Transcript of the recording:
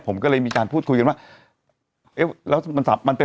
ผมก็เลยมีการพูดคุยกันว่า